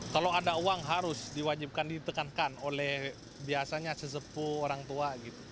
kalau ada uang harus diwajibkan ditekankan oleh biasanya sesepuh orang tua